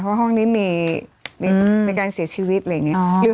เพราะห้องนี้มีการเสียชีวิตอะไรอย่างนี้